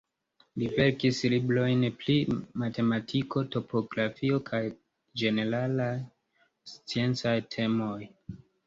Li verkis librojn pri matematiko, topografio kaj ĝeneralaj sciencaj temoj.